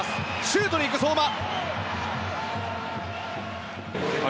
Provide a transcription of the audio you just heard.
シュートにいく、相馬。